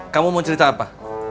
kamu mau cerita apa